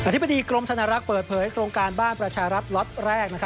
ธิบดีกรมธนรักษ์เปิดเผยโครงการบ้านประชารัฐล็อตแรก